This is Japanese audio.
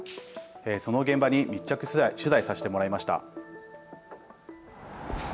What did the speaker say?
その現場に密着取材させてもらいました。